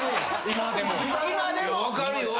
・「今でも」！？分かるよ。